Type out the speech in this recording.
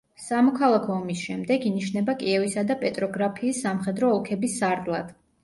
სამოქალაქო ომის შემდეგ ინიშნება კიევისა და პეტროგრაფიის სამხედრო ოლქების სარდლად.